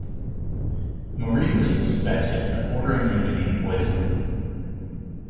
Marie was suspected of ordering him to be poisoned.